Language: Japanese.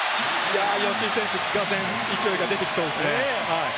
吉井選手、がぜん勢いが出てきそうですね。